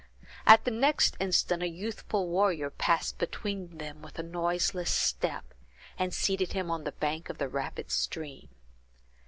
At the next instant, a youthful warrior passed between them, with a noiseless step, and seated himself on the bank of the rapid stream.